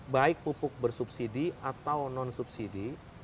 baik pupuk bersubsidi atau non subsidi